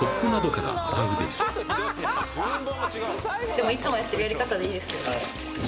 でもいつもやってるやり方でいいですよね？